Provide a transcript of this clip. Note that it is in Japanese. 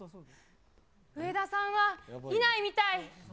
植田さんはいないみたい。